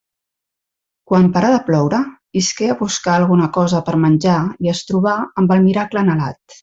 Quan parà de ploure isqué a buscar alguna cosa per a menjar i es trobà amb el miracle anhelat.